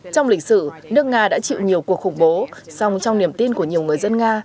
trong lịch sử nước nga đã chịu nhiều cuộc khủng bố song trong niềm tin của nhiều người dân nga